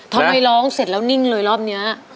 ทำไมร้องเสร็จแล้วนิ่งเลยรอบนี้